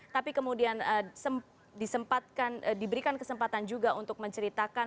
tapi kemudian diberikan kesempatan juga untuk menceritakan